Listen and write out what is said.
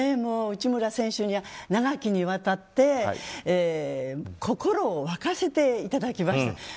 内村選手には長きにわたって心を沸かせていただきました。